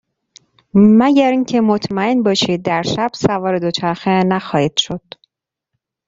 مگر اینکه مطمئن باشید در شب سوار دوچرخه نخواهید شد.